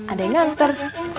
ada yang nganter